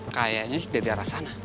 kayaknya dari arah sana